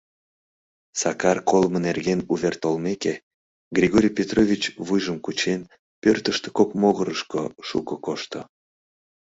Сакар колымо нерген увер толмеке, Григорий Петрович, вуйжым кучен, пӧртыштӧ кок могырышко шуко кошто.